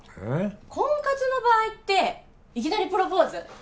婚活の場合っていきなりプロポーズ？